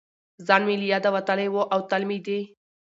ځان مې له یاده وتلی و او تل مې دې